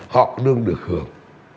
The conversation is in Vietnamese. họ luôn được hưởng